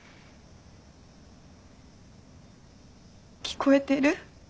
聞こえてる？